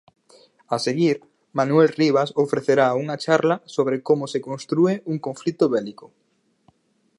A seguir, Manuel Rivas ofrecerá unha charla sobre Como se constrúe un conflito bélico.